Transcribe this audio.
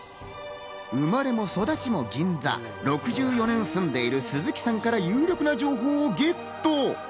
生まれも育ちも銀座、６４年住んでる鈴木さんから有力な情報をゲット。